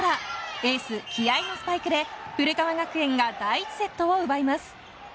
エース気合のスパイクで古川学園が第１セットを奪います。